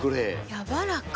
やわらか。